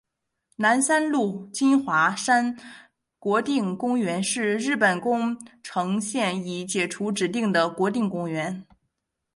南三陆金华山国定公园是日本宫城县已解除指定的国定公园。